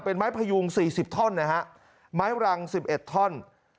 เป็นไม้พยุง๔๐ท่อนนะฮะไม้รัง๑๑ท่อน